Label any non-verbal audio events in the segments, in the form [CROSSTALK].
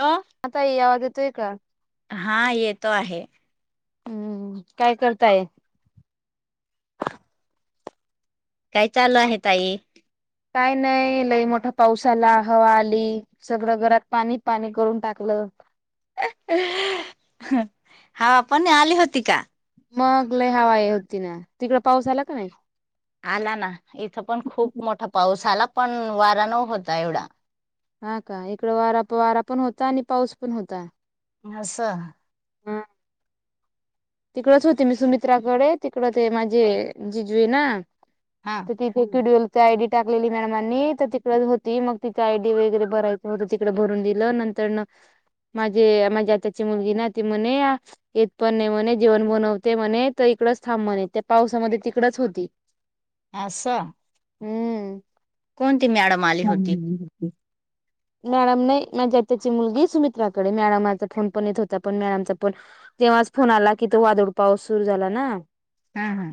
हा... हा ताई आवज येतोय का? हा येतो आहे. हम्म काय करताय? काय चालू आहे ताई? काय नाही लई मोठा पाऊस आला, हवा आली सगळं घरात पाणी, पाणी करून टाकलं. हा पाणी आली होती का? मग लय हवा आहे होती ना, तिकंड पाऊस झाला का नाही? आला ना इथं पण खुप मोठा पाऊस आला पण वारा नव्हता एवढा. हा का इकड वारा, वारा पण होता आणि पाऊस पण होता. अस. तिकडच होती मी सुमित्राकडे तिकड ते माझे जिजू आहे ना हा तर ते हे क्युडएलची आय डी टाकलेली मॅडमांनी तर तिकडेच होती मग तिची आयडी वगैरे भरायची होत तिकडे भरून दिलं नंतर न माझे, माझी आत्याची मुलगी ना ती म्हणे येत पण नाही म्हणे जेवण बनवते म्हणे तर इकडच थांब म्हणे त्या पावसामध्ये तिकडच होती. आस. हम्म मॅडम आली होती हम्म [INAUDIBLE] मॅडम नाही माझ्या आत्याची मुलगी सुमित्राकडे मॅडमाचा फोन पण येत होता पण मॅडमचा फोन तेव्हाच फोन आला की तो वादळ पाऊस सुरू झाला ना. हा हा.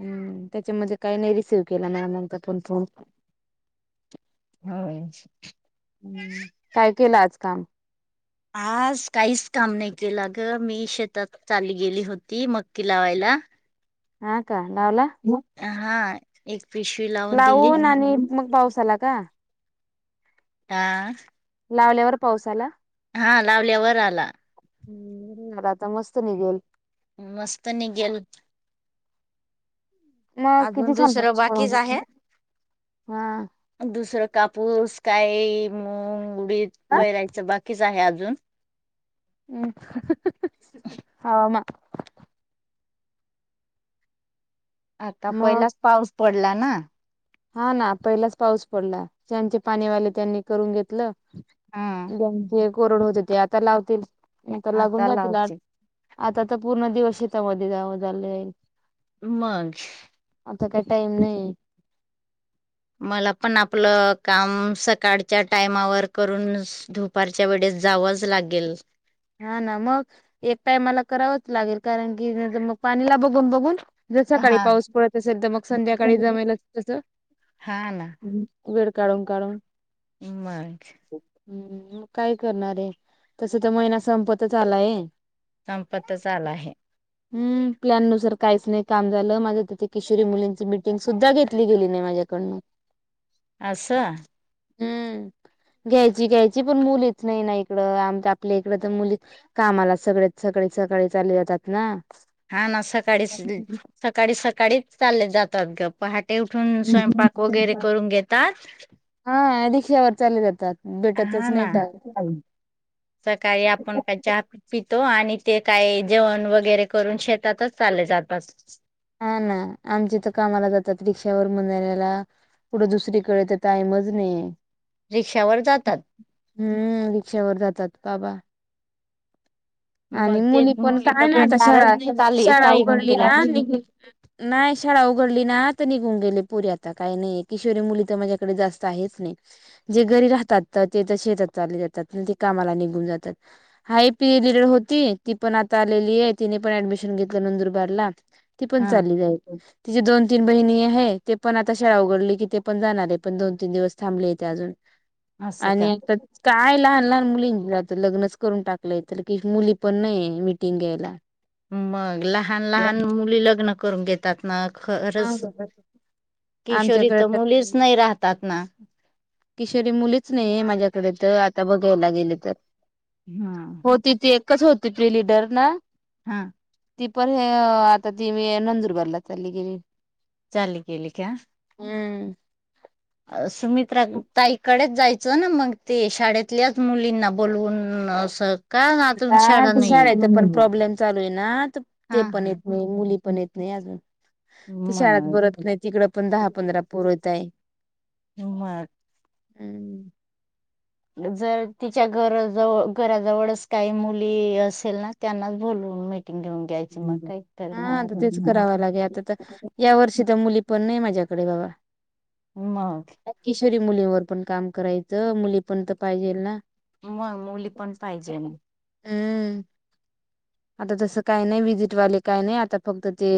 हम्म, त्याच्यामध्ये काही नाही रिसीव्ह केला नाही मॅडमानचा पण फोन- होय. हम्म, काय केलं आज काम? आज काहीच काम नाही केलं ग मी शेतात चाली गेली होती मक्की लावायला. हा का लावला? म हा. एक पिशवीला लाऊन आणि मग पाऊस आला का? आ? लावल्यावर, पाऊस आला? हा, लावल्यावर आला. हम्म. बर, आता मस्त निघेल. मस्त निगेल मग अजून किती छान दुसरं, पाऊस पडत बाकीचं होता. आहे. हा दुसरं, कापूस काई मुंग, उडीद पेरायचं, बाकीच आहे अजून. अं [UNINTELLIGIBLE] हाव माय. आता मग पहिलाच पाऊस पडला ना? हा, ना. पहिलाच पाऊस पडला. ज्यांचे पाणीवाले त्यांनी, करून घेतलं‌. हा. पण जे कोरड होते, ते आता लावतील. नाही तर लागून आता जातील आज लावची. आता त पूर्ण दिवस शेतामध्ये जावं, झालंय. मग. आता काय, टाईम नाही. मला पण आपलं, काम सकाडच्या टायमावर करून स दुपारच्या वेडेस, जावंच लागेल. हा, ना मग. एक टायमाला करावंच लागेल. कारण की, ज मग पाणीला बघून - बघून जर सकाळी हा. पाऊस पडत असेल, तर मग संध्याकाळी जमेल तसं हा ना वेड काढून - काढून. मग. हम्म. मग काय करणारए? तसं तर, महिना संपतच आलाये. संपतच आलाय. [INAUDIBLE] हम्म. प्लॅननुसार काहीच नाही काम झालं. माझं त ते किशोरी मुलींची मीटिंग सुद्धा घेतली गेली नाही, माझ्याकडनं. [INAUDIBLE] आस्स? हम्म. घ्यायची - घ्यायची, पण मुलीच नाही ना इकडं. आमच आपले इकडं तर मुली, कामाला सगळे सकाळी- सकाळी चालले जातात ना. हा, ना. सकाडीच, सकाडी- सकाडीच चालले जातात गप. पहाटे उठून, स्वयंपाक वगैरे करून घेतात. हा, रिक्षावर चालले जातात. भेटतच हा, नाही ना. तर. सकाळी आपण काय? चहा पित पितो आणि ते काय जेवण वगैरे करून, शेतातच चालले जातात. हा, ना. आमची तर कामाला जातात. रिक्षावर [UNINTELLIGIBLE] कुठं, दुसरीकडे तर टायमच नाहीये. रिक्षावर जातात. हम्म. रिक्षावर जातात, बाबा. आणि मग ते मुली पण तर काय ना आता भेटणारच शाळात. नाही आली शाळा ताई म्हण उघडली तुला ना. नि नायी शाळा उघडली ना, त निघून गेले पोरी आता, काही नाहीय. किशोरी मुली तर, माझ्याकडे जास्त आहेच नाही. जे घरी राहतात. तर ते तर शेतात चालले जातात. न ते कामाला निघून जातात. हाय पी ए लिडर होती. ती पण आता आलेलीए. तिने पण ऍडमिशन घेतलं, नंदुरबारला. ती पण हा चाली जाइल. तिजी दोन तीन बहिणी हे, ते पण आता शाळा उघडली की ते पण जाणारे, पण दोन तीन दिवस थांबलेे ते अजून [INAUDIBLE] असं आणि का आता काय लहान-लहान मुलींना त लग्नच करून टाकलंय [UNINTELLIGIBLE] मुली पण नईए मिटिंग घ्यायला मग लहान-लहान मुली लग्न करून घेत तात ना, खरंच आमच्याकडे किशोरी त तर काही मुलीच नाही. नही राहतात ना. किशोरी मुलीच नहीए माझ्याकडे त आता बघायला गेले तर. हम. होती ती एकच होती, ती लिडर ना हं. ती पण ह आता ती मी नंदुरबारला चालली गेली चाली गेली का? हम्म. ए सुमित्रा ताईकडेच जाय च ना मग ते शाळेतल्याच मुलींना बोलवून अस आता शाळेत पण प्रॉब्लेम चालू ये ना, ते हा पण येत नही मुली पण येत नही अजून. ती शाळात मग भरत नाही, तिकड पण दहा पंधरा पोरं येता यत. मग हम् [INAUDIBLE] जर तिच्या घरा जव घरा जवळच काही मुली असेल ना त्यांनाच बोलवून मीटिंग घेऊ हां आता तेच करावं लागेल, आता तर या वर्षी तर मुली पण नही माझ्याकडे बाबा मंग? किशोरी मुलीवर पण काम करायचं, मुली पण तर पाहिजे ना? म मुली पण पाहिजे. हम. आता तसं काही नही व्हिजिटवाले काय नही, आता फक्त ते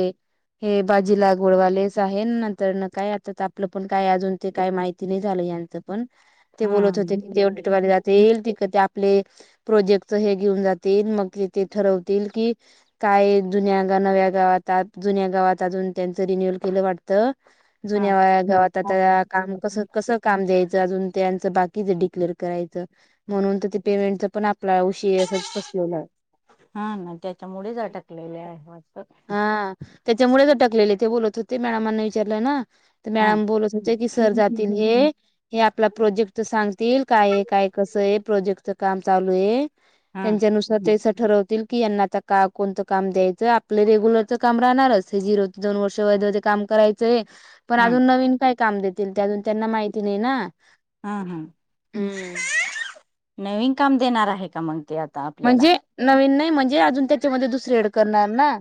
हे भाजी लागवड वालेच आहे, नंतर न काय आता आपलं पण काय अजून ते काही माहिती नही झालं यांचं. पण ते बोलत होते ते हम्म ऑडिटवाले जात ते एईल तिक आपले प्रोजेक्टच हे घेऊन जातील, मग तेथ ठरवतील कि काय जुन्या गन नव्या गावात, आत जुन्या गावात अजून त्यांचं रिन्युल केलं वाटत हा जुन्या वया गावात आता काम कसं-कसं काम द्यायचं अजून त्यांचं बाकीच डिक्लेअर करायचं म्हणून त ते पेमेंटच पण, आपला उशी अस फसलेलं. हा ना त्याच्यामुळेच अटकलेले आहेत वाटत. हां त्याच्यामुळे च अटकलेले, ते बोलत होते, मॅडमांना विचारलं ना. त हा मॅडम बोलत होते की सर जातील हे हे आपला प्रोजेक्टच सांगतील, काय ये काय कसं ये, प्रोजेक्टच काम चालू ये हा त्यांच्यानुसार त्याच ठरवत की यांना आता का, कोणतं काम द्यायचं आपल रेग्युलरच काम राहणारच, हे जीरो ते दोन वर्ष वैधध्ये काम कराय च ये पण हा अजून नवीन काय काम देतील, त्यांना अजून माहिती नही ना, हा हा हम्. नवीन काम देणार आहे का, मग ते आत? म्हणजे नवीन नाही म्हणजे अजून त्याच्यामध्ये दुसर एड करणार ना.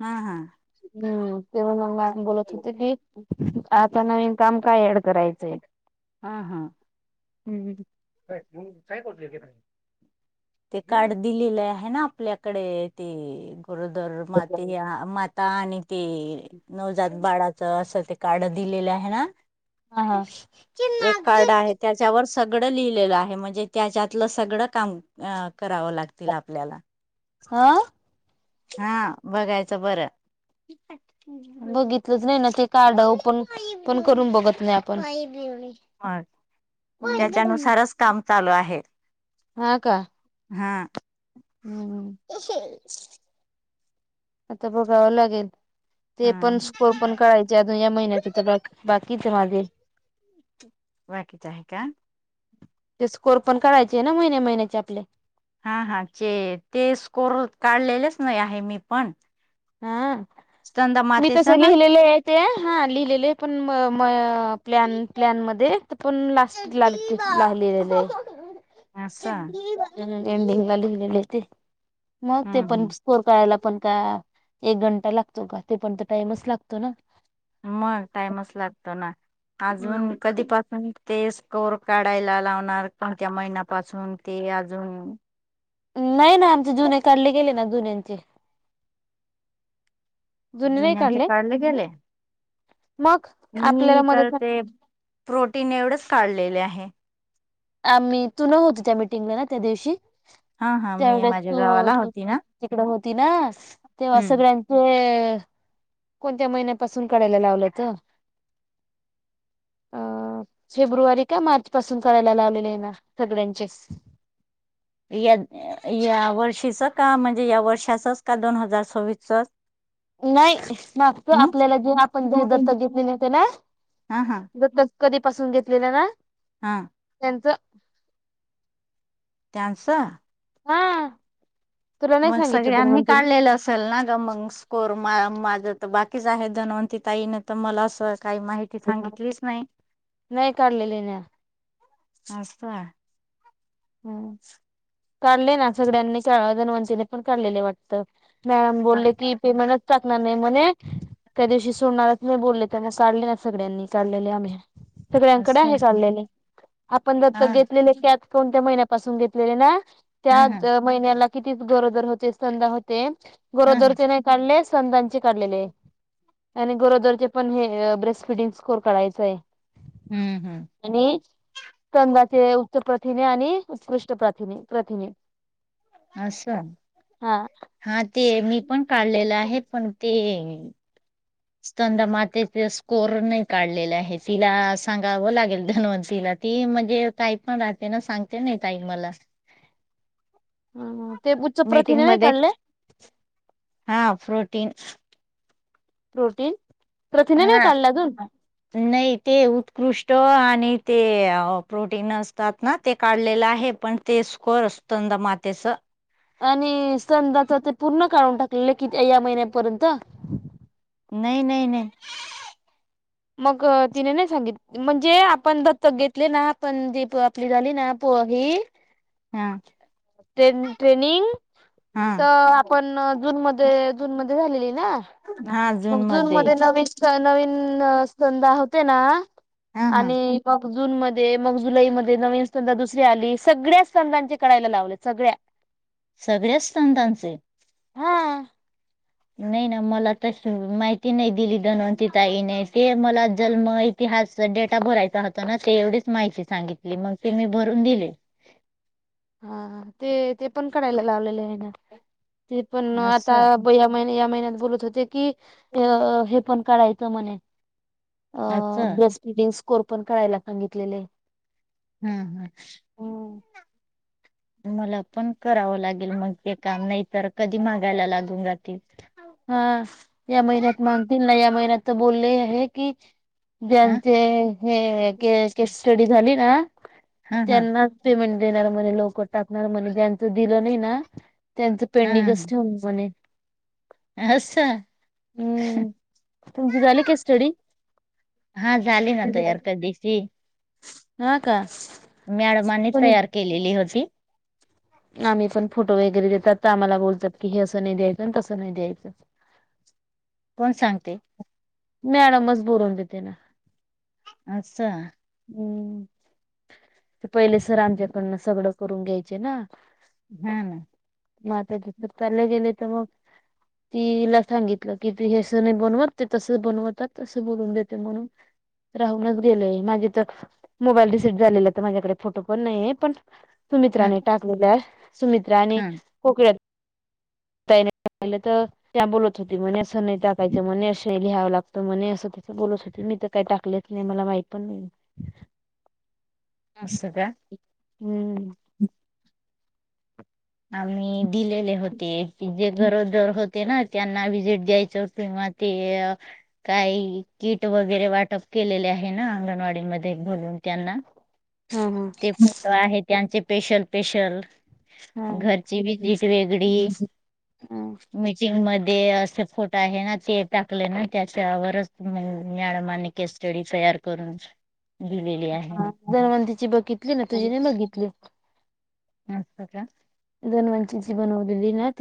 हा हा. हम्म ते मग बोलत होते की आता नवीन काम का ॲड करायचंय? हा हा. हम्म. ते कार्ड दिलेले आहे ना आपल्याकडे ते गरोदर माते म ता आणि ते नवजात बाळाचं असं ते कार्ड दिलेलं आहे ना. हा हा एक कार्ड आहे त्या च्यावर सगड लिहिलेलं आहे म्हणजे त्याच्यातलं सगड काम अ करावं लागतील आपल्याला. हं. हा बघायचं बरं. [INAUDIBLE] बघितलंच नाही ना ते कार्ड ओपन पण करून बघत नाही आपण. मग त्याच्यानुसारच काम चालू आहे. हा का? हा. हम्म आता बघावं लागेल. हा ते पण स्कोर पण कळायचे अजून या महिन्याचे तर बाकी बाकीच माझे. बाकीच आहे का? ते स्कोर पण कळायचे आहे ना महिने महिन्याचे आपले. हा हा चे ते स्कोर काढलेलेच नाही आहे मी पण. हा स्तंदा मी तस मातेचा ना लिहिलेलं आहे ते हा लिहिलेले पण म म प्लॅन प्लॅन मध्ये पण ला हॉपिटलािलालीलेले. असं हम एन्डिंग ला लिहिलेले ते मग ते हम्म हम्म पण कोर काळायला पण का एक घंटा लागतो का ते पण त टाइमच लागतो ना. मग टाइमच लागतो ना अजून हम्म. कधीपासून ते स्कोर काढायला लावणार कोणत्या महिन्यापासून ते अजून नाही ना आमचे जुने काढले गेले ना जुन्यांचे. जुने नाही जुन्यांचे काढले गेले मग आपल्याला मी तर मदत ते प्रोटीन एवढेच काढलेले आहे. आम्ही तु न होतो त्या मिटिंगला ना त्या दिवशी? हा हा मी त्यावेळेस माझ्या तू गावाला होती ना तिकड होती ना तेव्हा हम्म सगळ्यां हे. कोणत्या महिन्यापासून कढायला लावलंत अ फेब्रुवारी का मार्च पासून काढायला लावलेले आहे ना सगळ्यांचेच. या या वर्षीच का म्हणजे या वर्षाचच का दोन हजार सव्वीसचच. [UNINTELLIGIBLE] नाही मागतो आपल्याला जे आपण जे दत्तक घेतलेले होते ना हा हा दतक कधीपसून घेतलेलं ना. हा. त्यांचं. त्यांच. हा तुला नाही मग सांगितलं सगळ्यांनी धन्वंतीने काढलेलं चल ना ग मग स्कोर मा माझं तर बाकीच आहे धनवंती ताईने तर मला अस काही माहिती ती सांगितलीच नाही नाही काढलेले ना असं हाय हम् काढले ना सगळ्यांनी का [UNINTELLIGIBLE] पण काढलेले वाटतं. मॅडम बोले की पेमेंटच टाकणार नाही म्हणे त्या दिवशी सोडणारच नाही बोलले त्यांना काढले ना सगळ्यांनी काढलेले आम्ही. सगळ्यांकडे आहे असं काढलेले आपण हा दत्तक घेतलेले त्यात कोणत्या महिन्यापासून घेतलेले ना हा हा त्या महिन्याला किती गरोदर होते सस्तनदा होते हा गरोदर चे नाही काढले स्तनदा काढलेले आणि गरोदरचे पण हे, ब्रेस्ट फिडिंग स्कोर कढायचा हाय. हम्म, हम्म. आणि कंदाचे उत्तर प्र प्रथिने आणि उत्कृष्ट प्रथिणे, प्रथिने. असं, हा हा ते मी पण काढलेलं आहे पण ते [UNINTELLIGIBLE] दा मातेचे स्कोर नाही काढलेले आहे, तिला सांगावं लागेल धन्वंतीिला. ती म्हणजे काय पण राहते ना सांगते नाही ताई मला. हा, ह ते उच्च मीटिंग प्रथिने नाही मध्ये काढले? हा प्रोरोटीन. प्रोटीन, प्रथिने नाही हा काढला अजून? नाही ते उत्कृष्ट आणि ते, प्रोटीन असतात ना ते काढलेलं आहे पण ते स्कोर असतं समदं मातेच. आणि संदाच ते पूर्ण काढून टाकलेलं कि या महिन्यापर्यंत नाही, नाही नाही. मग तिने नाही सांगित म्हणजे आपण दत्तक घेतले ना, पण आपण जी प आपली झाली ना पो ही. हा. ट्रेन, ट्रेनिंग हा तर पण जून मध्ये, जून मध्ये झालेली ना. मग जून मध्ये नवीन नवीन, संधा होते ना हा हा आणि मग जून मध्ये मग जुलैमध्ये नवीन संगा दुसरी आली, सगळ्या संघर्ष संघानचे कळायला लावले सगळ्या, [UNINTELLIGIBLE] सगळ्याच संतांचे हा नाही ना मला तर माहिती नाही दिली दनवती ताईने ते मला जन्मही ते डेटा भरायचा होता ना ते एवढीच माहिती सांगितली मग ते मी भरून दिली हा ते ते पण करायला लावलेले हेनं ते पण असं आता. पुढल्या महिन्यात या महिन्यात बोलत होते की हे पण करायचं म्हणे. असं अ [UNINTELLIGIBLE] स्कोर पण करायला सांगितलेले. हम् हम्. मला पण करावं लागेल मग ते काम नाही तर कधी मागायला लागून जातील. हा या महिन्यात मागतील ना या महिन्यात तर बोलले आहे की ज्यांचे हे ह के स्टडी झाली ना हा हा त्यांना पेमेंट देणार म्हणे लवकर टाकणार म्हणे ज्यांचं दिलं नाही ना त्यांचं पेंडिंगच हा ठेवू म्हणे. असं हम्म तुमची झाली काय स्टडी. हा झाली ना तयार कधीची हा का. मॅडमानी कोणी तयार केलेली होती. आम्ही पण फोटो वगैरे देतात तर, आम्हाला बोलतात की हे असं नाही द्यायचं आणि तसं नाही द्यायचं. कोण सांगते? मॅडमच बरून देते ना. अस. हम्म. ते पहिले सर आमच्याकडनं सगळं करून घ्यायचे ना. हा ना. मग आता तिथ काढलं गेल तव्हा. तिला सांगितलं की ते अस नाही बनवत ते तस बनवतात तस बोलून देते म्हणून. राहूनच गेलेय. माझे तर मोबाईल रिसीव झालेला तर माझ्याकडे फोटो पण नाहीय पण. हा सुमित्राने टाकलेल्या सुमित्रा आणि. हा कोण कोण यात तर त्या बोलत होती म्हणे असं नाही टाकायचं म्हणे असे लई लिहावं लागत म्हणे. असं त्या बोलत होते मी तर काही टाकलेच नाही मला माहीत पण नाही. असं का. हम्म. आम्ही दिलेले होते. ती जे गरोदर होते ना. त्यांना व्हिजिट द्यायचं किंवा ते काही किट वगैरे वाटप केलेले आहे ना. अंगणवाडीमध्ये बोलून त्यांना. हा ते कोणच आहे त्यांचे पेशल स्पेशल हा घरची बी किट वेगळी हा. मीठ टीम मध्ये असे फोटो आहे ना. ते टाकले ना. त्याच्यावरच मॅडमानी कस्टडी तयार करून दिलेली आहे. ह दहीहंडीची बघितली ना. तुझी नाही बघितली. नव्हत का. गण वंचीची बनवळी ना ती.